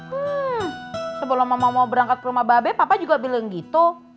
hmm sebelum mama mau berangkat ke rumah babe papa juga bilang gitu